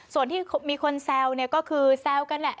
ส่วนที่มีคนแซวเนี่ยก็คือแซวกันแหละ